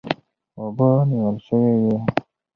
اوبه نیول سوې وې.